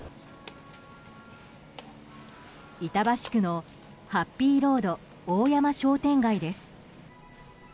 板橋区のハッピーロード大山商店街です。